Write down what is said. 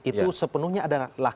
itu sepenuhnya adalah